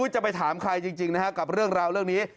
จะไปถามใครจริงนะครับกับเรื่องราวเรื่องนี้